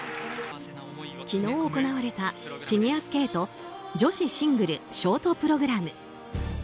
昨日行われたフィギュアスケート女子シングルショートプログラム。